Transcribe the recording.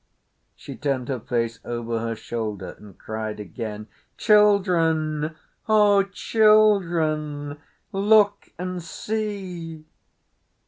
She turned her face over her shoulder and cried again: "Children! Oh, children! Look and see!"